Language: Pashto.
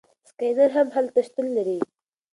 سکینر هم هلته شتون لري.